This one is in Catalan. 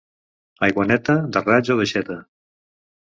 Aigua neta, de raig o d'aixeta.